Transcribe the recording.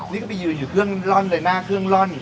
นี่ก็ไปยืนอยู่เครื่องร่อนเลยหน้าเครื่องร่อน